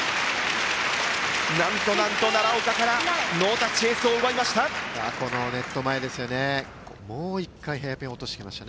何と奈良岡からノータッチエースを奪いました。